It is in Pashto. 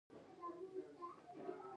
ژبه په عمل پرمختګ کوي.